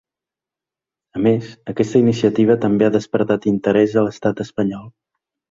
A més, aquesta iniciativa també ha despertat interès a l’estat espanyol.